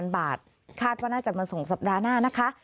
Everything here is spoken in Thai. บาทคาดว่าน่าจะมาส่งสัปดาห์หน้านะคะ